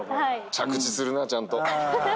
着地するなちゃんと。